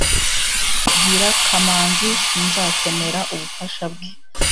Bwira Kamanzi sinzakenera ubufasha bwe